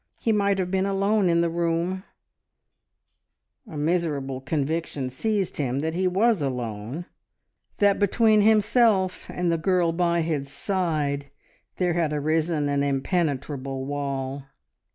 He might have been alone in the room; a miserable conviction seized him that he was alone, that between himself and the girl by his side there had arisen an impenetrable wall.